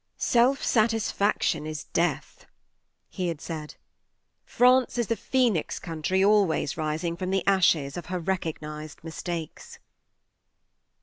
" Self satisfaction is death," he had said ;" France is the phoenix country always rising from the ashes of her recognized mistakes."